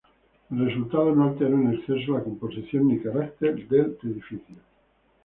El resultado no alteró en exceso la composición ni carácter del edificio.